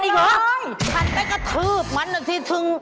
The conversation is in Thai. ฉันได้กระทืบมันอาจจะถึง